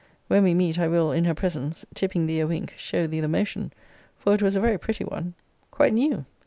When we meet, I will, in her presence, tipping thee a wink, show thee the motion, for it was a very pretty one. Quite new.